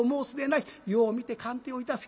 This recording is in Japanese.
よう見て鑑定をいたせ。